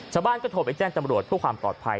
ชาวบ้านก็โทรไปแจ้งจำรวจเพื่อความปลอดภัย